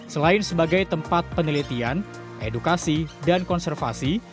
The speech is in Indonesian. selain sebagai tempat penelitian edukasi dan konservasi